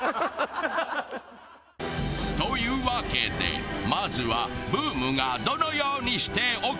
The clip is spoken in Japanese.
というわけでまずはブームがどのようにして起きたのか？